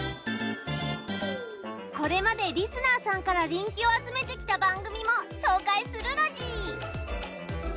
これまでリスナーさんから人気を集めてきた番組も紹介するラジ。